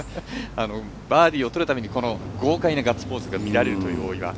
バーディーをとるたびにこの豪快なガッツポーズが見られる大岩。